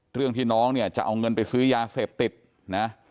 เรื่องที่น้องเนี่ยจะเอาเงินไปซื้อยาเสพติดนะ